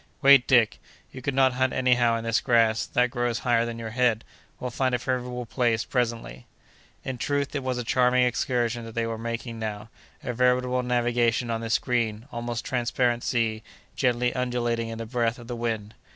"Wait, Dick; you could not hunt anyhow in this grass, that grows higher than your head. We'll find a favorable place presently." In truth, it was a charming excursion that they were making now—a veritable navigation on this green, almost transparent sea, gently undulating in the breath of the wind.